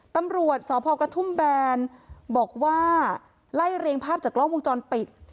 ตำรวจสพกระทุ่มแบนบอกว่าไล่เรียงภาพจากกล้องวงจรปิด